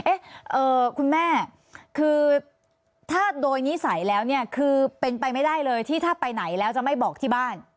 คุณแม่คือถ้าโดยนิสัยแล้วเนี่ยคือเป็นไปไม่ได้เลยที่ถ้าไปไหนแล้วจะไม่บอกที่บ้าน